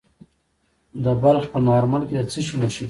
د بلخ په مارمل کې د څه شي نښې دي؟